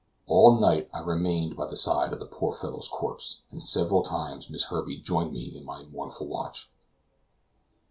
All night I remained by the side of the poor fellow's corpse, and several times Miss Herbey joined me in my mournful watch.